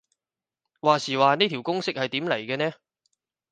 話時話呢條公式係點嚟嘅呢